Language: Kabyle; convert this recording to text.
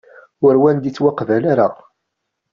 Ur wen-d-ittwaqbal ara.